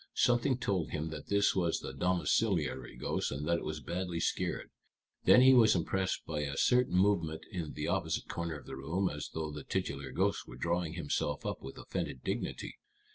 Something told him that this was the domiciliary ghost, and that it was badly scared. Then he was impressed by a certain movement in the opposite corner of the room, as though the titular ghost were drawing himself up with offended dignity.